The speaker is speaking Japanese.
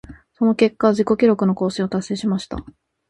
その結果、自己記録の更新を達成しました。